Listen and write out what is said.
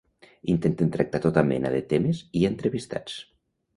Intenten tractar tota mena de temes i entrevistats.